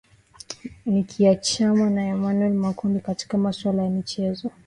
nikiachana na emmanuel makundi katika masuala ya michezo